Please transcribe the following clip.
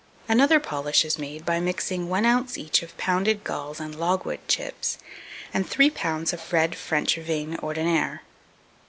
241. Another polish is made by mixing 1 oz. each of pounded galls and logwood chips, and 3 lbs. of red French vine (ordinaire).